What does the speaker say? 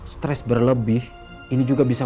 stres berlebih ini juga bisa